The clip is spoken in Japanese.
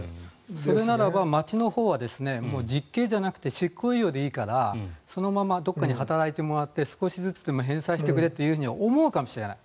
それなら町のほうは実刑じゃなくて執行猶予でいいからそのままどこかに働いてもらって少しずつでも返済してくれって思うかもしれない。